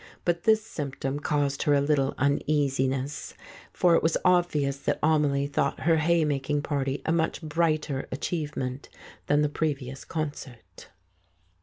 But this symptom caused her a little uneasiness, for it was obvious that Amelie thought her haymaking party a much brighter achievement than the previous concert.